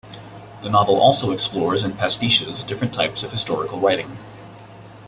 The novel also explores and pastiches different types of historical writing.